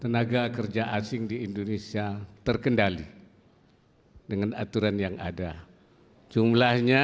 tenaga kerja asing di indonesia terkendali dengan aturan yang ada jumlahnya